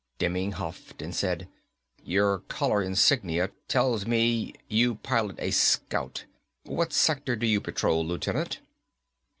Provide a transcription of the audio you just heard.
Demming huffed and said, "Your collar insignia tells me you pilot a Scout. What sector do you patrol, Lieutenant?"